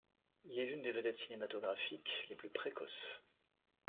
Il est l'une des vedettes cinématographiques les plus précoces.